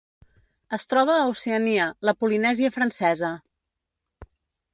Es troba a Oceania: la Polinèsia Francesa.